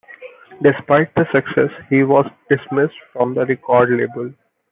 Despite the success, he was dismissed from the record label.